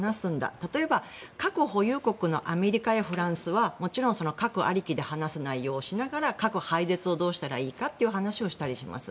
例えば核保有国のアメリカやフランスはもちろん核ありきで話す内容をしながら核廃絶をどうしたらいいかという話をしたりします。